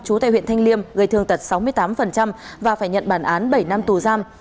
chú tại huyện thanh liêm gây thương tật sáu mươi tám và phải nhận bản án bảy năm tù giam